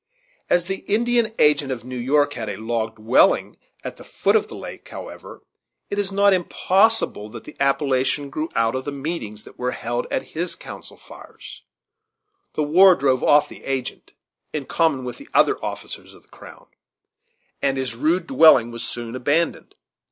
As the Indian agent of New York had a log dwelling at the foot of the lake, however, it is not impossible that the appellation grew out of the meetings that were held at his council fires; the war drove off the agent, in common with the other officers of the crown; and his rude dwelling was soon abandoned.